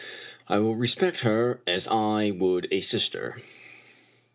I will respect her as I would a sister."